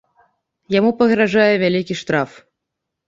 Яму пагражае вялікі штраф.